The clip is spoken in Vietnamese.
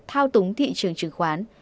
thao túng thị trường trường khoán